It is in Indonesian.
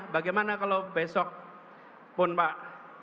bagaimana kalau besok pun pak